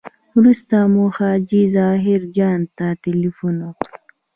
وروسته مو حاجي ظاهر جان ته تیلفون وکړ.